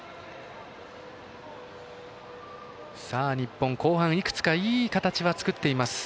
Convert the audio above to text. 日本、後半いくつかいい形を作っています。